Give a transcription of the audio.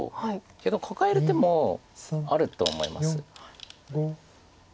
けどカカえる手もあるとは思います。